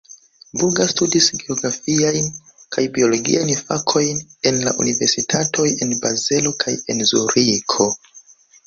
Burga studis geografiajn kaj biologiajn fakojn en la universitatoj en Bazelo kaj en Zuriko.